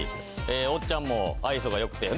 おっちゃんも愛想が良くて。